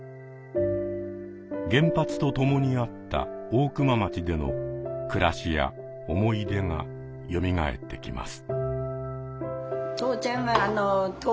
原発とともにあった大熊町での暮らしや思い出がよみがえってきます。